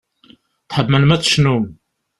Tḥemmlem ad tecnum.